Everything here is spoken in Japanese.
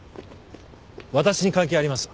私に関係あります？